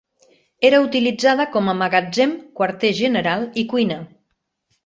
Era utilitzada com a magatzem, quarter general i cuina